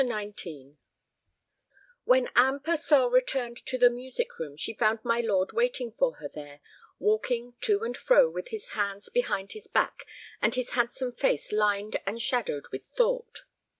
XIX When Anne Purcell returned to the music room she found my lord waiting for her there, walking to and fro with his hands behind his back and his handsome face lined and shadowed with thought.